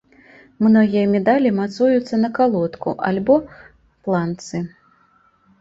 Многія медалі мацуюцца на калодку або планцы.